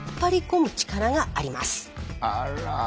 あら。